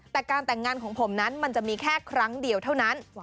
แต่การแต่งงานของผมนั้นมันจะมีแค่ครั้งเดียวเท่านั้น